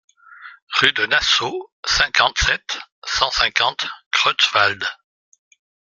Rue de Nassau, cinquante-sept, cent cinquante Creutzwald